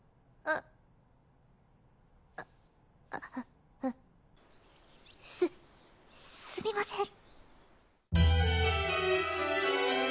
あっあっあっすすみません